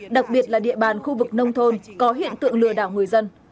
đặc biệt là địa bàn khu vực nông thôn có hiện tượng lừa đảo người dân